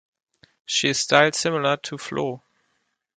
She is styled similar to Flo.